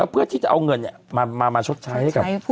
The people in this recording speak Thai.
เพื่อที่จะเอาเงินมาชดใช้ให้กับ